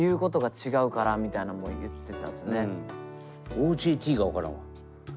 ＯＪＴが分からんわ。